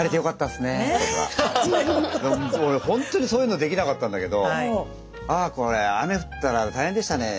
でも俺ほんとにそういうのできなかったんだけど「あこれ雨降ったら大変でしたねえ。